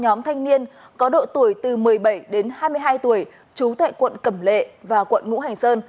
nhóm thanh niên có độ tuổi từ một mươi bảy đến hai mươi hai tuổi trú tại quận cẩm lệ và quận ngũ hành sơn